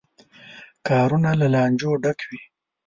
کارونه له لانجو ډکوي.